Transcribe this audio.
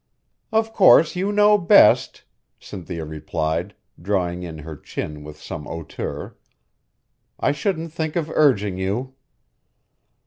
"Of course you know best," Cynthia replied, drawing in her chin with some hauteur. "I shouldn't think of urging you."